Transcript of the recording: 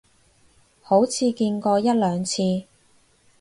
好似見過一兩次